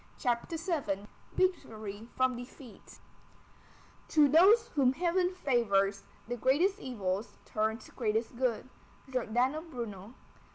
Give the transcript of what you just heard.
CHAPTER VII VICTORY FROM DEFEAT To those whom heaven favors, the greatest evils turn to greatest good. GIORDANO BRUNO.